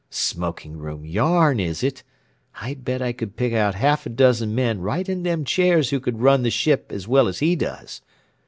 Smoking room yarn, is it? I bet I could pick out half a dozen men right in them chairs who could run the ship as well as he does.